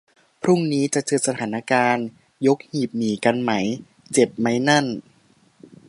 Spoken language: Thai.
พรุ่งนี้จะเจอสถานการณ์ "ยกหีบหนี" กันมั้ย เจ็บมั้ยนั่น